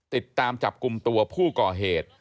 ติดตามจับกลุ่มตัวผู้ก่อเหตุ